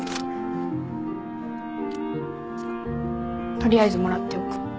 取りあえずもらっておく。